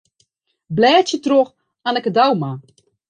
Blêdzje troch Anneke Douma.